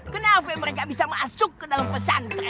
kenapa mereka bisa masuk ke dalam pesantren